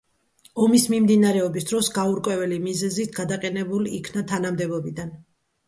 ომის მიმდინარეობის დროს გაურკვეველი მიზეზით გადაყენებულ იქნა თანამდებობიდან.